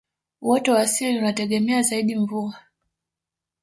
uoto wa asili unategemea zaidi mvua